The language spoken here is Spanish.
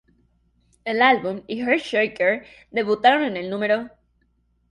El álbum y "Heart Shaker" debutaron en el No.